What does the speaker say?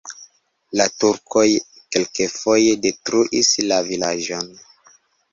La turkoj kelkfoje detruis la vilaĝon.